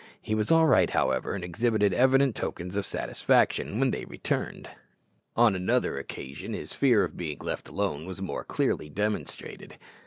He was all right, however, and exhibited evident tokens of satisfaction when they returned. On another occasion his fear of being left alone was more clearly demonstrated.